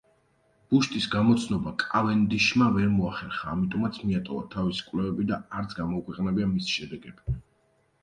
ბუშტის გამოცნობა კავენდიშმა ვერ მოახერხა, ამიტომაც მიატოვა თავისი კვლევები, და არც გამოუქვეყნებია მისი შედეგები.